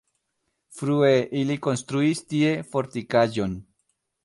Frue ili konstruis tie fortikaĵon.